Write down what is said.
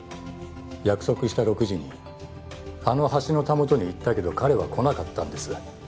約束した６時にあの橋のたもとに行ったけど彼は来なかったんです。